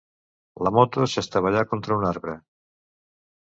La moto s'estavellà contra un arbre.